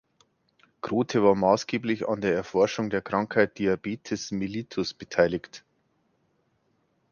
Grote war maßgeblich an der Erforschung der Krankheit Diabetes mellitus beteiligt.